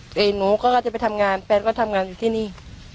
แต่หนูก็จะไปทำงานแฟนก็ทำงานอยู่ที่นี่